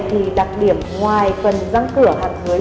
thì đặc điểm ngoài phần răng cửa hàm dưới